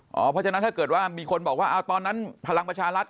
เพราะฉะนั้นถ้าเกิดว่ามีคนบอกว่าตอนนั้นพลังประชารัฐ